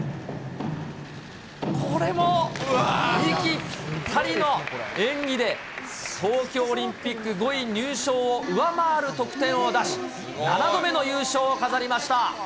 これも息ぴったりの演技で、東京オリンピック５位入賞を上回る得点を出し、７度目の優勝を飾りました。